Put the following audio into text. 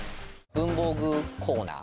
文房具コーナー